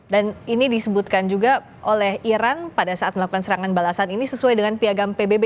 dan ini disebutkan juga oleh iran pada saat melakukan serangan balasan ini sesuai dengan piagam pbb